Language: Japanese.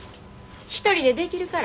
一人でできるから。